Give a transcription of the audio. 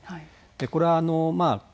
これはまあ